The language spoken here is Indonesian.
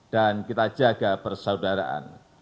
dan kita jaga persaudaraan